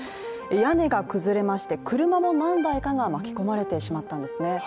屋根が崩れまして車も何台かが巻き込まれてしまったんですね。